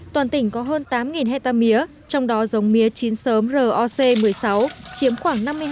toàn tỉnh có hơn tám hectare mía trong đó dòng mía chín sớm roc một mươi sáu chiếm khoảng năm mươi hai